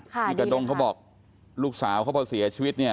คี่กระดมเขาบอกลูกสาวเขาเสียชีวิต